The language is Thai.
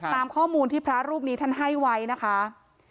ตามข้อมูลที่พระรูปนี้ท่านให้ไว้นะคะ